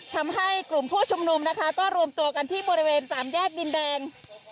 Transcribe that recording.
ทำให้กลุ่มผู้ชุมนุมนะคะก็รวมตัวกันที่บริเวณสามแยกดินแดง